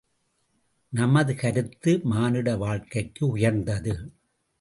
நமது கருத்து, மானுட வாழ்க்கை உயர்ந்தது.